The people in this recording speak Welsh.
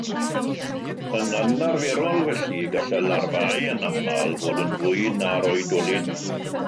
Yn anarferol felly, gall y larfau yn aml fod yn fwy na'r oedolyn.